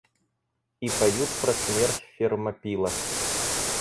И поют про смерть в Фермопилах.